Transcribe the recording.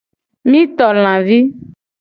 Mi to lavi.